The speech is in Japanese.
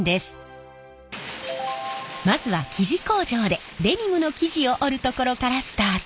まずは生地工場でデニムの生地を織るところからスタート。